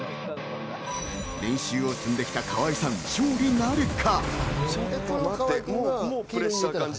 練習を積んできた河合さん、勝利なるか？